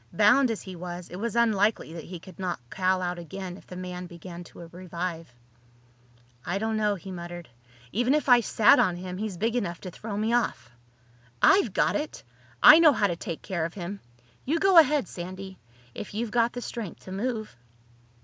Bound as he was, it was unlikely that he could knock Cal out again if the man began to revive. "I don't know," he muttered. "Even if I sat on him, he's big enough to throw me off. I've got it! I know how to take care of him. You go ahead, Sandy—if you've got the strength to move."